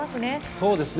そうですね。